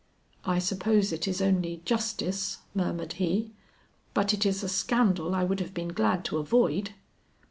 "I suppose it is only justice," murmured he, "but it is a scandal I would have been glad to avoid."